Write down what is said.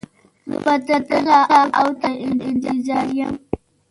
زه به تر کله و تا ته انتظار يم.